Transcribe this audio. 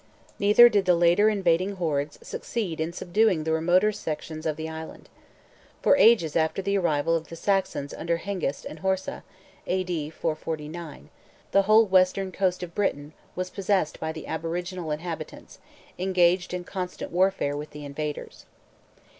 Neither did the later invading hordes succeed in subduing the remoter sections of the island. For ages after the arrival of the Saxons under Hengist and Horsa, A.D. 449, the whole western coast of Britain was possessed by the aboriginal inhabitants, engaged in constant warfare with the invaders.